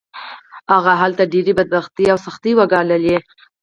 هغه هلته ډېرې بدبختۍ او سختۍ وګاللې